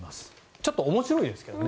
ちょっと面白いですけどね。